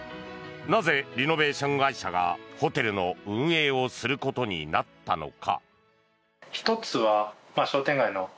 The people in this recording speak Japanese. なぜ、リノベーション会社がホテルの運営をすることになったのか。